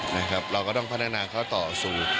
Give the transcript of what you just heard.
เราก็ต้องพัฒนาเขาต่อสู่